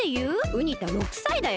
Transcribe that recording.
ウニ太６さいだよ。